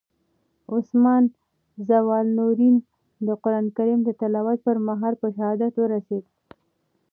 عثمان ذوالنورین د قرآن کریم د تلاوت پر مهال په شهادت ورسېد.